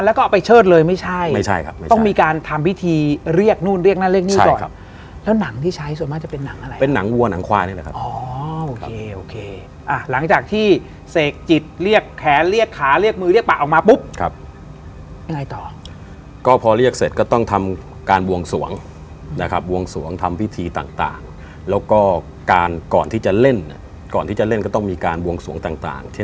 แล้วก็เอาไปเชิดเลยไม่ใช่ไม่ใช่ครับต้องมีการทำพิธีเรียกนู่นเรียกนั่นเรียกนี่ก่อนใช่ครับแล้วหนังที่ใช้ส่วนมากจะเป็นหนังอะไรเป็นหนังวัวหนังควายนี่แหละครับอ๋อโอเคโอเคอ่าหลังจากที่เสกจิตเรียกแขนเรียกขาเรียกมือเรียกปากออกมาปุ๊บครับยังไงต่อก็พอเรียกเสร็จก็ต้องทำการวงสวงนะครับวงสวง